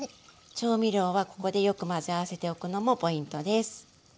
調味料はここでよく混ぜ合わせておくのもポイントです。